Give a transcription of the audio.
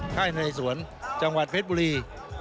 ไข้นาเรยินสวนจังหวัดเผ็ดบุรี